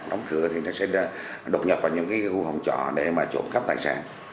đóng cửa thì sẽ đột nhập vào những khu vòng trò để trộm cắp tài sản